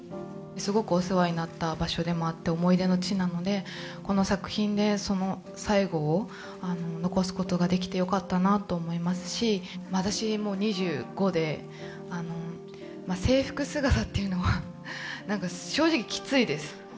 すごくお世話になった場所でもあって、思い出の地なので、この作品でその最後を残すことができてよかったなと思いますし、私もう２５で、制服姿っていうのは、なんか正直、きついです。